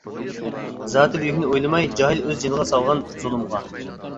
زاتى بۈيۈكنى ئويلىماي جاھىل ئۆز جېنىغا سالغان زۇلۇمغا.